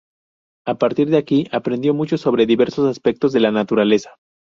A partir de aquí, aprendió mucho sobre diversos aspectos de la naturaleza.